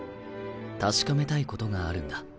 確かめたいことがあるんだ。